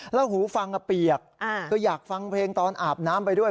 แล้วหูฟังเปียกคืออยากฟังเพลงตอนอาบน้ำไปด้วย